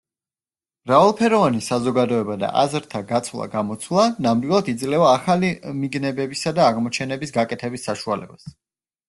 მრავალფეროვანი საზოგადოება და აზრთა გაცვლა-გამოცვლა ნამდვილად იძლევა ახალი მიგნებებისა და აღმოჩენების გაკეთების საშუალებას.